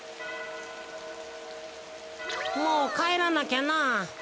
もうかえらなきゃなあ。